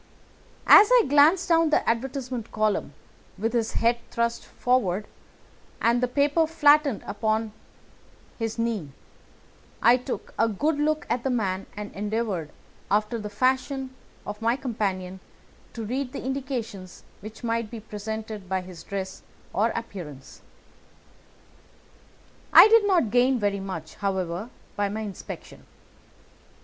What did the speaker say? As he glanced down the advertisement column, with his head thrust forward and the paper flattened out upon his knee, I took a good look at the man and endeavoured, after the fashion of my companion, to read the indications which might be presented by his dress or appearance. I did not gain very much, however, by my inspection.